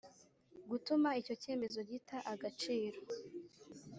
gutuma icyo cyemezo gita agaciro